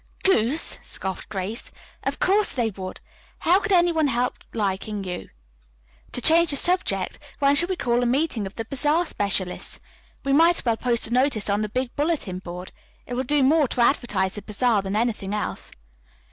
"Goose!" scoffed Grace. "Of course they would. How could any one help liking you? To change the subject, when shall we call a meeting of the bazaar specialists? We might as well post a notice on the big bulletin board. It will do more to advertise the bazaar than anything else."